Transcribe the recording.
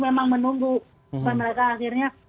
memang menunggu dan mereka akhirnya